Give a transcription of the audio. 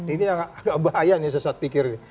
ini agak bahaya nih sesat pikir